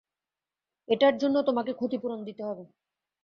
এটার জন্য তোমাকে ক্ষতি-পূরণ দিতে হবে।